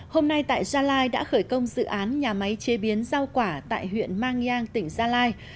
hôm nay tại gia lai đã khởi công dự án nhà máy chế biến rau quả tại huyện mang nhang tỉnh gia lai